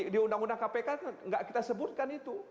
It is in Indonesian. di undang undang kpk tidak kita sebutkan itu